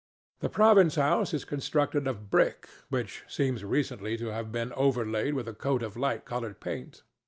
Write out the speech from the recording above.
The Province House is constructed of brick, which seems recently to have been overlaid with a coat of light colored paint.